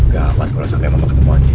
gawat gua rasa kayak mama ketemu anji